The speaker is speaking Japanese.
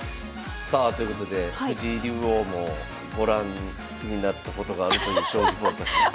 さあということで藤井竜王もご覧になったことがあるという「将棋フォーカス」です。